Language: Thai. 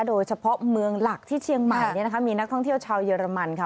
โดยเฉพาะเมืองหลักที่เชียงใหม่เนี่ยนะคะมีนักท่องเที่ยวชาวเยอรมันค่ะ